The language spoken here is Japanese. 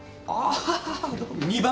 ああ。